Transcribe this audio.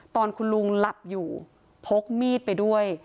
ตอนคุณลุงหลับอยู่พกมีดไปด้วย